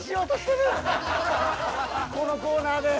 このコーナーで。